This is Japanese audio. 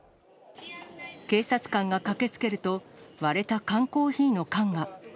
警察官が駆けつけると、割れた缶コーヒーの缶が。